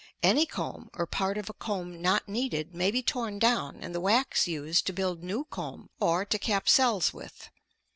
Any comb or part of a comb not needed may be torn down and the wax used to build new comb or to cap cells with.